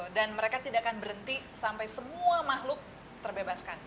dan mereka tidak akan berhenti sampai semua makhluk terbebaskan